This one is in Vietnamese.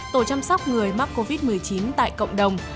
tổ chăm sóc người mắc covid một mươi chín tại cộng đồng